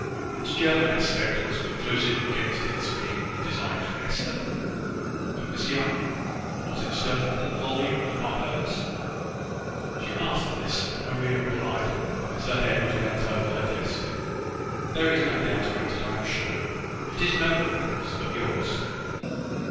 Its German aspect was conclusive against its being designed for Hester: but Miss Young, was it certain that the volume was not hers? She asked this; but Maria replied, as her head was bent over her desk: "There is no doubt about it. I am sure. It is nobody's but yours."